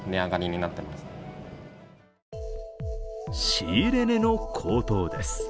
仕入れ値の高騰です。